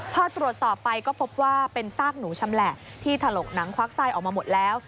พอตรวจสอบไปก็พบว่าเป็นซากหนูชำแหละที่ถลกหนังควักไส้ออกมาหมดแล้ว